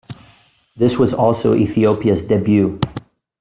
This was also Ethiopia's debut.